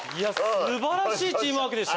素晴らしいチームワークでした。